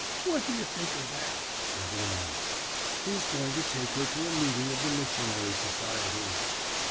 "What do you think of that?" Devlin asks. "He's going to take her to a meeting of the missionary society."